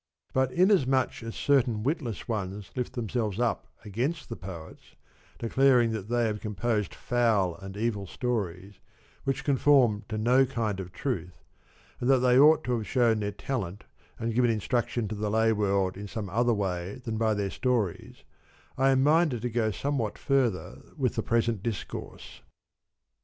But inasmuch as certain witless ones lift themselves up against the poets, declaring that they have composed foul and evil stories, which conform to no kind of truth, and that they ought to have shown their talent and given instruction to the lay world in some other way than by their stories, I am minded to go somewhat further with the present discourse.